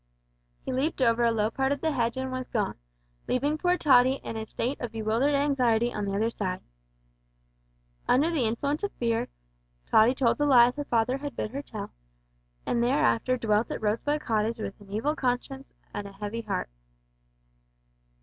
He leaped over a low part of the hedge and was gone, leaving poor Tottie in a state of bewildered anxiety on the other side. Under the influence of fear Tottie told the lies her father had bid her tell, and thereafter dwelt at Rosebud Cottage with an evil conscience and a heavy heart.